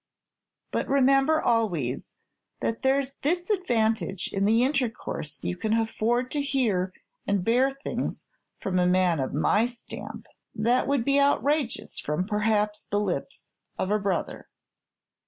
But remember always that there's this advantage in the intercourse: you can afford to hear and bear things from a man of my stamp, that would be outrages from perhaps the lips of a brother.